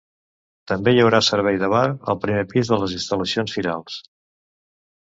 També hi haurà servei de bar al primer pis de les instal·lacions firals.